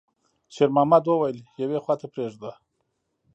شېرمحمد وويل: «يوې خواته پرېږده.»